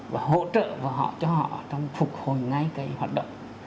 và hỗ trợ cho họ trong phục hồi ngay cái hoạt động